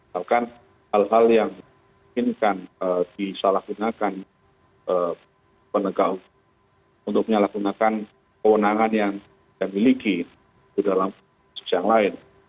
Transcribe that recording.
hal hal yang mungkin kan disalahgunakan penegak untuk menyalahgunakan kewenangan yang kita miliki di dalam sejajar lain